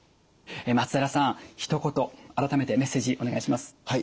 松平さんひと言改めてメッセージお願いします。